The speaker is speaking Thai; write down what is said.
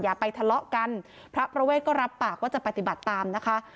อย่าไปทะเลาะกันพระประเวทก็รับปากว่าจะปฏิบัติตามนะคะ